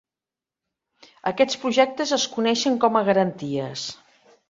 Aquests projectes es coneixen com a garanties.